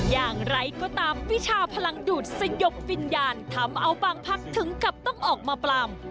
อย่างไรก็ตามวิชาพลังดูดสยบวิญญาณทำเอาบางพักถึงกับต้องออกมาปลำ